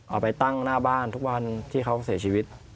เอาไปตั้งหน้าบ้านทุกวันที่เขาเสียชีวิต